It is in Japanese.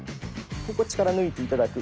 ここ力抜いて頂く